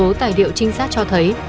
ngoài ra một số tài liệu trinh sát cho thấy